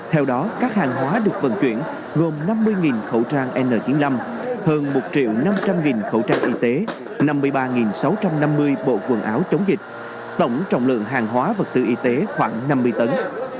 theo đó các hàng hóa được vận chuyển gồm năm mươi khẩu trang n chín mươi năm hơn một năm trăm linh khẩu trang y tế năm mươi ba sáu trăm năm mươi bộ quần áo chống dịch tổng trọng lượng hàng hóa vật tư y tế khoảng năm mươi tấn